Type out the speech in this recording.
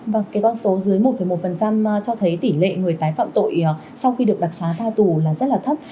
vâng cái con số dưới một một cho thấy tỷ lệ người tái phạm tội sau khi được đặc xá tha tù là rất là thấp